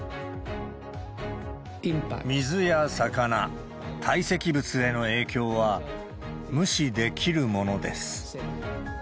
水や魚、堆積物への影響は、無視できるものです。